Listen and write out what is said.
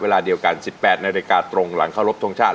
เวลาเดียวกัน๑๘นาฬิกาตรงหลังเข้ารบทรงชาติ